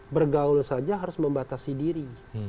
bergaul saja harus membatasi diri